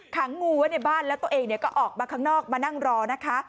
งูไว้ในบ้านแล้วตัวเองก็ออกมาข้างนอกมานั่งรอนะคะ